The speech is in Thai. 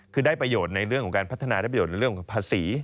คือได้ประโยชน์ในเรื่องของการพัฒนาได้ประโยชน์ในเรื่องของภาษี